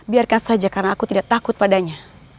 biarkan saja karena aku tidak takut padanya